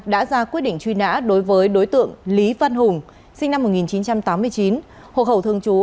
đã ra quyết định truy nã đối với đối tượng lý văn hùng sinh năm một nghìn chín trăm tám mươi chín hộ khẩu thường trú